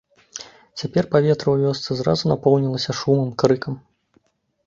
Цяпер паветра ў вёсцы зразу напоўнілася шумам, крыкам.